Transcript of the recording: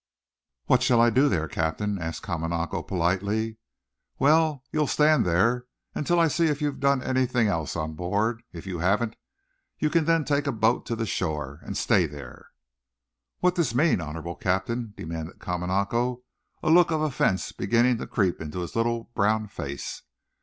"What shall I do there, Captain?" asked Kamanako, politely. "Well, you'll stand there until I see if you've done anything else on board. If you haven't, you can then take a boat to the shore and stay there." "What this mean, honorable Captain?" demanded Kamanako, a look of offense beginning to creep into his little, brown face.